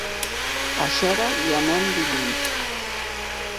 A Xera hi anem dilluns.